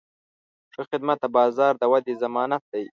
ښه خدمت د بازار د ودې ضمانت دی.